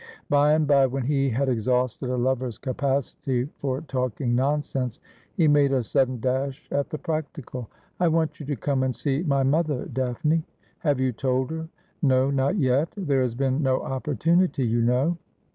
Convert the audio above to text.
By and by, when he had exhausted a lover's capacity for talking nonsense, he made a sudden dash at the practical. ' I want you to come and see my mother, Daphne.' ' Have you told her ?'' No, not yet. There has been no opportunity, you know.'